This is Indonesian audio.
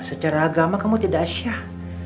secara agama kamu tidak syah